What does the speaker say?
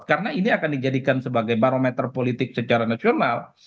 karena ini akan dijadikan sebagai barometer politik secara nasional